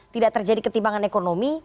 tidak terjadi ketimpangan ekonomi